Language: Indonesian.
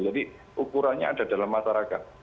jadi ukurannya ada dalam masyarakat